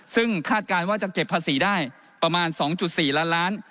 ซึ่งคาดการณ์ว่าจะเก็บภาษีได้ประมาณ๒๔ล้านล้าน